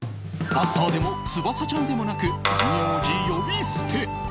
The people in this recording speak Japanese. ばっさーでも翼ちゃんでもなく名字呼び捨て。